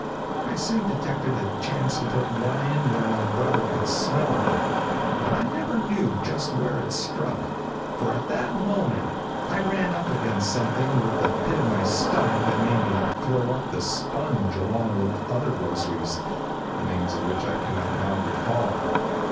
I soon detected a chance to put one in where my brother could smell of it, but I never knew just where it struck, for at that moment I ran up against something with the pit of my stomach that made me throw up the sponge along with some other groceries, the names of which I cannot now recall.